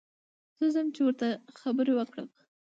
زه ځم چې ور ته خبر ور کړم.